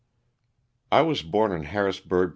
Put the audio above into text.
T WAS born in Harrisburgh, Pa.